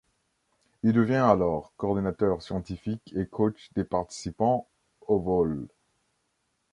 Il devient alors coordinateur scientifique et coach des participants au vol.